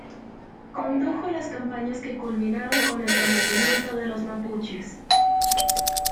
Condujo las campañas que culminaron con el sometimiento de los mapuches.